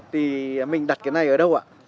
thì mình đặt cái này ở đâu ạ